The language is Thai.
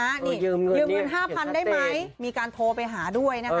ไปให้แล้วนะโอ้ยยืมเงิน๕๐๐๐ได้ไหมมีการโทรไปหาด้วยนะครับ